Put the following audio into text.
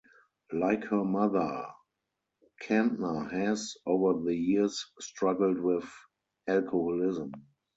Like her mother, Kantner has, over the years, struggled with alcoholism.